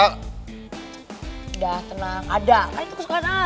udah tenang ya ibu saya udah beli jajanan pasar sama ibu anda